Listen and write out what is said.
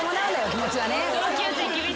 気持ちはね。